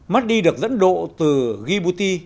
mahdi được dẫn độ từ djibouti